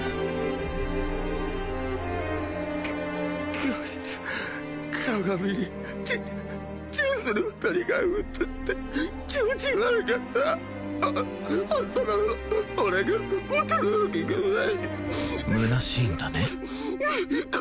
き教室鏡にチチューする２人が映って気持ち悪かったホントの俺がモテるわけがないむなしいんだねか